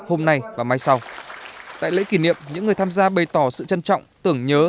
hôm nay và mai sau tại lễ kỷ niệm những người tham gia bày tỏ sự trân trọng tưởng nhớ